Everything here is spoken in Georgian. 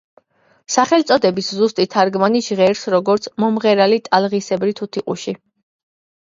სახელწოდების ზუსტი თარგმანი ჟღერს, როგორც: „მომღერალი ტალღისებრი თუთიყუში“.